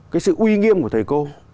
cái sự uy nghiêm của thầy cô